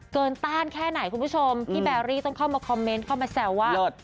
ต้านแค่ไหนคุณผู้ชมพี่แบรี่ต้องเข้ามาคอมเมนต์เข้ามาแซวว่า